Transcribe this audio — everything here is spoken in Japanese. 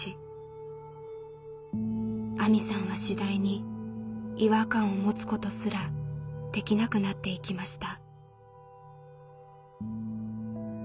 あみさんは次第に違和感を持つことすらできなくなっていきました。